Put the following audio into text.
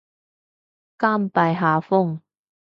甘拜下風